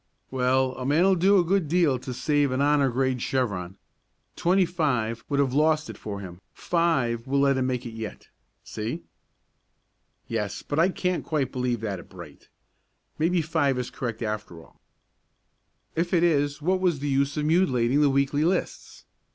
"Well, a man'll do a good deal to save an honor grade chevron. Twenty five would have lost it for him, five will let him make it yet. See?" "Yes, but I can't quite believe that of Bright. Maybe five is correct after all." "If it is, what was the use of mutilating the weekly lists?